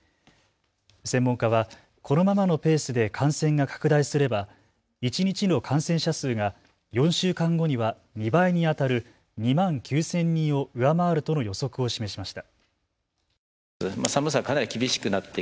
専門家はこのままのペースで感染が拡大すれば一日の感染者数が４週間後には２倍にあたる２万９０００人を上回るとの予測を示しました。